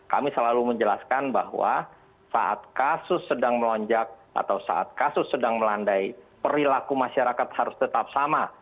kami selalu menjelaskan bahwa saat kasus sedang melonjak atau saat kasus sedang melandai perilaku masyarakat harus tetap sama